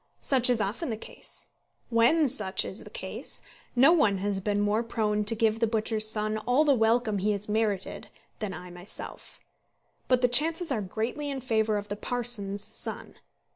Such is often the case. When such is the case, no one has been more prone to give the butcher's son all the welcome he has merited than I myself; but the chances are greatly in favour of the parson's son.